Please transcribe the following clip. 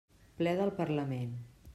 Ple del Parlament.